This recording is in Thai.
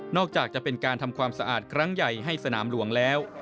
อกจากจะเป็นการทำความสะอาดครั้งใหญ่ให้สนามหลวงแล้ว